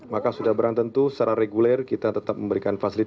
maka saya mohon nanti kepada yang melanjutkan setelah saya ini